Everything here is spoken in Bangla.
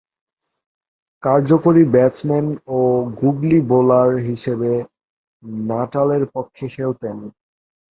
কার্যকরী ব্যাটসম্যান ও গুগলি বোলার হিসেবে নাটালের পক্ষে খেলতেন।